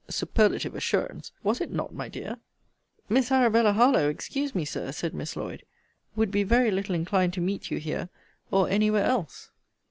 Superlative assurance! was it not, my dear? Miss Arabella Harlowe, excuse me, Sir, said Miss Lloyd, would be very little inclined to meet you here, or any where else.